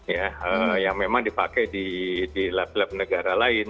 ya yang memang dipakai di lab lab negara lain